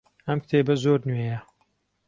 ئەم کتێبە زۆر نوێیە.